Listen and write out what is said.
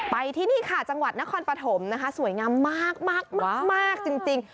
ไปที่นี่ค่ะจังหวัดนครปฐมนะคะสวยงามมากจริง